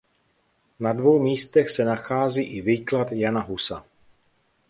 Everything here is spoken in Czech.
Na dvou místech se nachází i výklad Jana Husa.